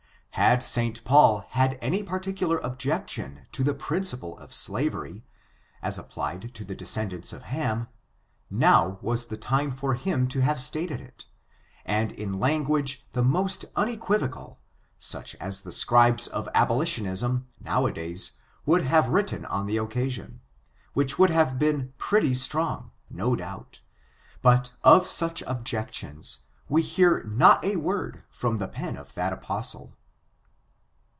Had St. Paul had any particular objection to the principle of slavery, as applied to the descendants of Ham^ now was the time for him to have stated it, and in lan guage the most uiiequivoccd^ such as the scribes of abolitionism, now a days, would have written on the occasion, which would have been pretty strong, no doubt ; but of such objections, we hear not a word from the pen of that apostle.